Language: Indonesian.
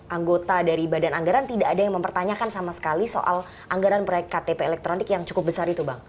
anggota dari badan anggaran tidak ada yang mempertanyakan sama sekali soal anggaran proyek ktp elektronik yang cukup besar itu bang